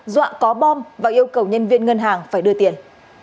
dọa có bom và yêu cầu nhân viên ngân hàng phải đưa tiền